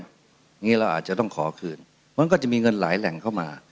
อย่างนี้เราอาจจะต้องขอคืนมันก็จะมีเงินหลายแหล่งเข้ามา